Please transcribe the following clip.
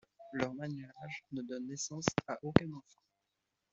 Leur mariage ne donne naissance à aucun enfant.